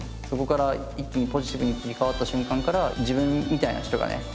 そこから一気にポジティブに切り替わった瞬間から自分みたいな人がね